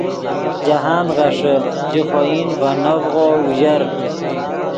جاہند غیݰے، ژے خوئن ڤے نڤغو اوژر